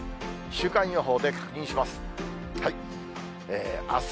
週間予報で確認します。